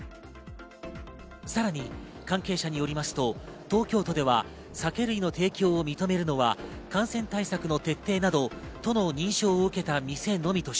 さらに関係者によりますと、東京都では酒類の提供を認めるのは感染対策の徹底など、都の認証を受けた店のみとし、